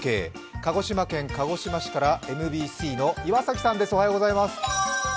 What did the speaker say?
鹿児島県鹿児島市からＭＢＣの岩崎さんです。